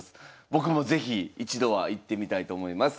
僕も是非一度は行ってみたいと思います。